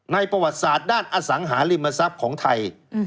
ในประวัติศาสตร์ด้านอสังหาริมทรัพย์